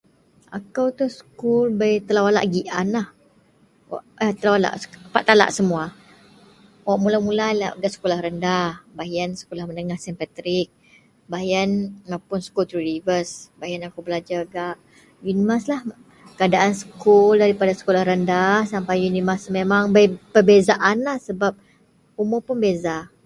Ako ito sekul bei telo alak gianlah, telo alak gian pat alak semua mula-mula gak sekolah rendah beh iyen sekolah menengah saint patrick beh iyen mapun sekul three rivers beh iyen belajar unimas keadaan sekul kuman sekolah rendah mapun unimas bei pebezaan sebab umur pun beza.